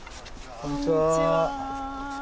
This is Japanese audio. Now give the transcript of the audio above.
こんにちは。